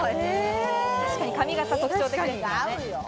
確かに髪形特徴的ですね。